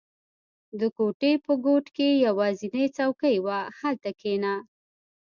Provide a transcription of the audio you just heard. • د کوټې په ګوټ کې یوازینی څوکۍ وه، هلته کښېنه.